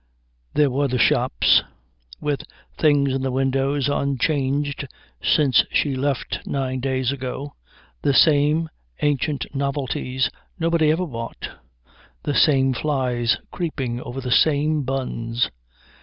There were the shops, with the things in the windows unchanged since she left nine days ago, the same ancient novelties nobody ever bought, the same flies creeping over the same buns.